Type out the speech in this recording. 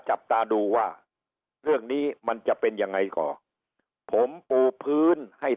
จับตาดูว่าเรื่องนี้มันจะเป็นยังไงก็ผมปูพื้นให้